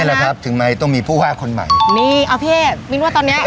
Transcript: แหละครับถึงไหมต้องมีผู้ว่าคนใหม่นี่เอาพี่มิ้นว่าตอนเนี้ย